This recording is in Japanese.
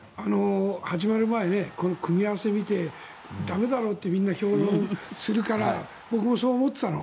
始まる前この組み合わせを見て駄目だろうとみんな評論するから僕もそう思っていたの。